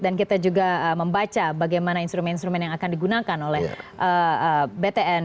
dan kita juga membaca bagaimana instrumen instrumen yang akan digunakan oleh btn